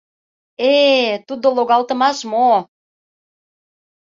— Э-э, тудо логалтымаш мо?